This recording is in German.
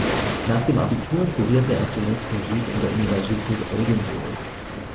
Nach dem Abitur studierte er zunächst Musik an der Universität Oldenburg.